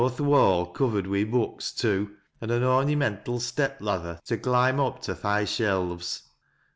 Aw th' wall covered wi' books too, an' a ornymental step lather tc olimb up to th' high shelves.